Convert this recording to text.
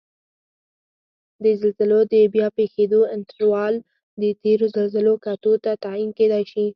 د زلزلو د بیا پېښیدو انټروال د تېرو زلزلو کتو ته تعین کېدای شي